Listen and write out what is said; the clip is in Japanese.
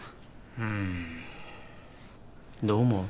うーんどう思う？